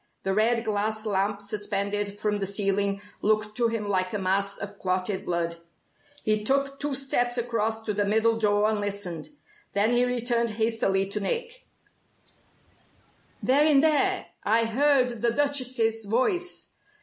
The red glass lamp suspended from the ceiling looked to him like a mass of clotted blood. He took two steps across to the middle door, and listened. Then he returned hastily to Nick. "They're in there! I heard the Duchess's voice.